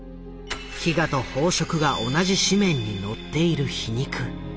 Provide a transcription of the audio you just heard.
「飢餓と飽食」が同じ紙面に載っている皮肉。